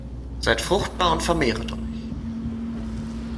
Seid fruchtbar und vermehrt euch!